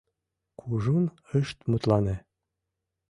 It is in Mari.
Кужун ышт мутлане.